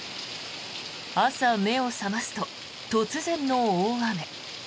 朝、目を覚ますと突然の大雨。